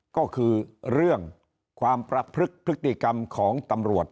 ก็คือเรื่องความประพฤกษ์พฤติกรรมของตำรวจ